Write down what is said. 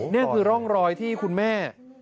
นี่คือร่องรอยที่คุณแม่